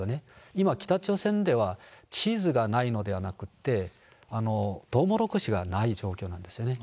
今、北朝鮮では、チーズがないのではなくて、トウモロコシがない状況なんですよね。